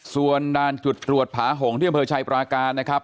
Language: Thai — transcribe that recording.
ส่วนด่านจุดตรวจผาหงที่อำเภอชัยปราการนะครับ